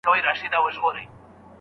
پر زړه مي اوري د کابل واوري